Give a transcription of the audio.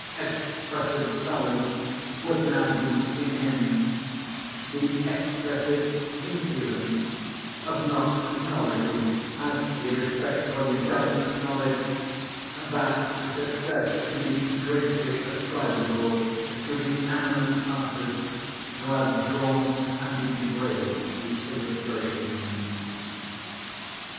"Expressive silence" would now be in him the excessive impudence of not acknowledging, as he respectfully does acknowledge, that success to be greatly ascribable to the eminent artists who have drawn and engraved the illustrations.